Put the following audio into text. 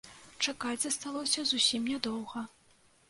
Чакаць засталося зусім нядоўга.